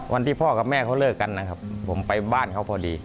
วันที่พ่อกับแม่เขาเลิกกันนะครับผมไปบ้านเขาพอดี